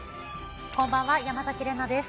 こんばんは山崎怜奈です。